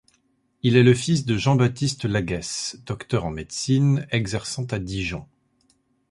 Il est le fils de Jean-Baptiste Laguesse, docteur en médecine exerçant à Dijon.